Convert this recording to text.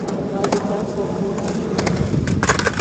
Halinden korkmaya başladım.